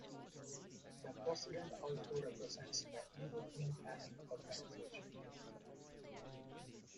The president also represents the European Patent Organisation.